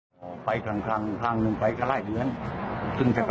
คือไปไหลที่เขาเชิญไปแล้วไง